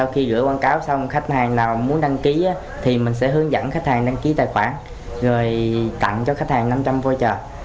khi nào muốn đăng ký thì mình sẽ hướng dẫn khách hàng đăng ký tài khoản rồi tặng cho khách hàng năm trăm linh vô trợ